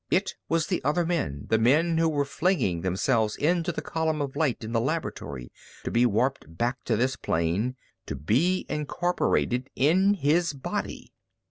It was the other men, the men who were flinging themselves into the column of light in the laboratory to be warped back to this plane, to be incorporated in his body.